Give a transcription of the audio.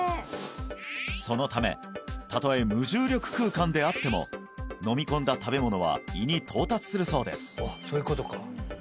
そのためたとえ無重力空間であっても飲み込んだ食べ物は胃に到達するそうです